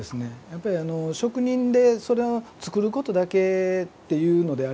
やっぱり職人で作ることだけっていうのであれば。